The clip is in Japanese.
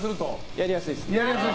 やりやすいですね。